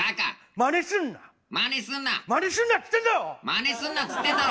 まねすんなっつってんだろ！